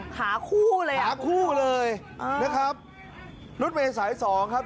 ขาคู่เลยอ่ะขาคู่เลยนะครับรถเมย์สายสองครับ